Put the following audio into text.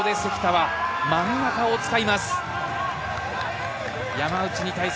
真ん中を使います。